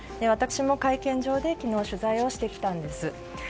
私も会見場で昨日取材をしてきたんです。